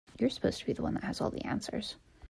You're supposed to be the one that has all the answers.